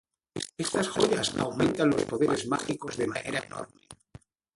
Estas joyas aumentan los poderes mágicos de manera enorme.